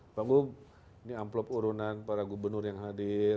mbak gu ini amplop urunan para gubernur yang hadir